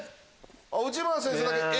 内村先生だけＡ？